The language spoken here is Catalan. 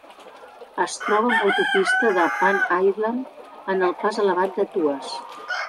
Es troba amb l'autopista de Pan Island en el pas elevat de Tuas.